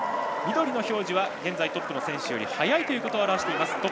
緑の表示は現在トップの選手より早いことを表しています。